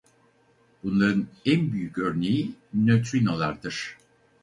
Bunların en büyük örneği nötrinolardır.